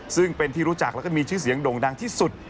ซึ่งเป็นที่รู้จักแล้วก็มีชื่อเสียงโด่งดังที่สุด